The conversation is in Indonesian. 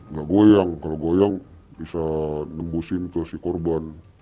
nggak goyang kalau goyang bisa nembusin ke si korban